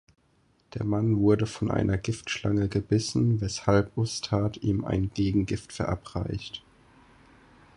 Der Mann wurde von einer Giftschlange gebissen, weshalb Ustad ihm ein Gegengift verabreicht.